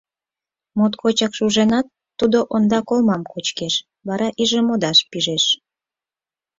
Моткочак шуженат, тудо ондак олмам кочкеш, вара иже модаш пижеш.